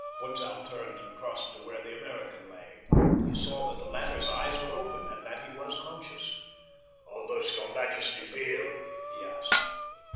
Butzow turned and crossed to where the American lay. He saw that the latter's eyes were open and that he was conscious. "How does your majesty feel?" he asked.